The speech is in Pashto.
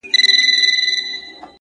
د زنده باد د مردباد په هديره كي پراته،